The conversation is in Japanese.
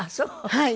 はい。